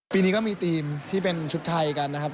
ปีนี้ก็มีทีมที่เป็นชุดไทยกันนะครับ